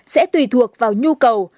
sẽ tùy thuộc vào nhu cầu